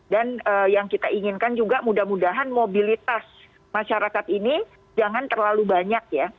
yang kita inginkan juga mudah mudahan mobilitas masyarakat ini jangan terlalu banyak ya